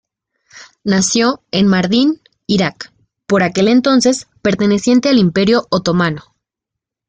Nació en Mardin, Irak, por aquel entonces perteneciente al Imperio otomano.